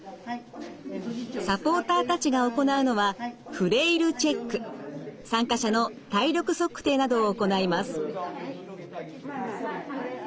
サポーターたちが行うのは参加者の体力測定などを行います。